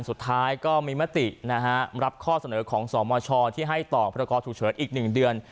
สุดท้ายก็มีมติรับข้อเสนอของสมชที่ให้ต่อพรกรฉุกเฉินอีก๑เดือน